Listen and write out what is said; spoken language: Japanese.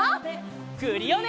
クリオネ！